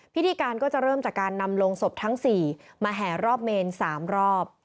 พิธีการก็จะเริ่มจากการนำลงศพทั้ง๔มาแห่รอบเมน๓รอบ